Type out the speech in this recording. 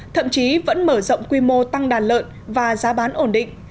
thậm chí vẫn mở rộng quy mô tăng đàn lợn và giá bán ổn định